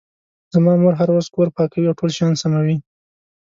زما مور هره ورځ کور پاکوي او ټول شیان سموي